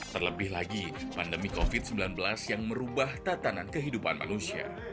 terlebih lagi pandemi covid sembilan belas yang merubah tatanan kehidupan manusia